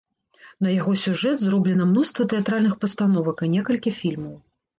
На яго сюжэт зроблена мноства тэатральных пастановак і некалькі фільмаў.